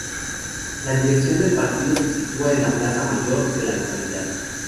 La dirección del partido se sitúa en la Plaza Mayor de la localidad.